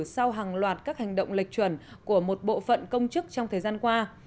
sau hàng loạt các hành động lệch chuẩn của một bộ phận công chức trong thời gian qua